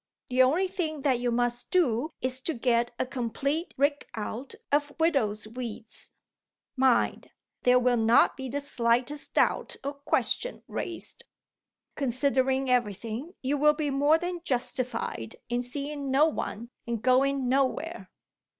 The only thing that you must do is to get a complete rig out of widow's weeds. Mind there will not be the slightest doubt or question raised. Considering everything, you will be more than justified in seeing no one and going nowhere."